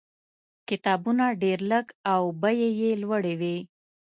کتابونه ډېر لږ او بیې یې لوړې وې.